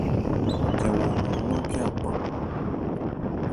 Cɛn-wo hɔn nn án khɛ́n a ban.